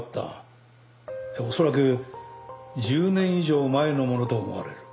恐らく１０年以上前のものと思われる。